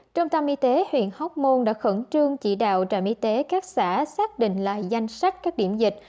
trung tâm y tế huyện hóc môn đã khẩn trương chỉ đạo trạm y tế các xã xác định lại danh sách các điểm dịch